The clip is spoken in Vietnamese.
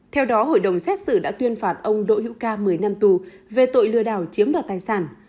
theo đó hội đồng xét xử đã tuyên phạt ông đỗ hữu ca một mươi năm tù về tội lừa đảo chiếm đoạt tài sản